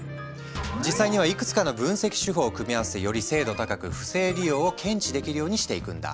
実際にはいくつかの分析手法を組み合わせてより精度高く不正利用を検知できるようにしていくんだ。